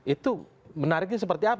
itu menariknya seperti apa